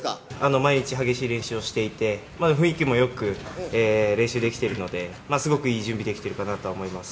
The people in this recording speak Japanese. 毎日激しい練習をしていて、雰囲気もよく練習できているので、すごくいい準備ができてるかなと思います。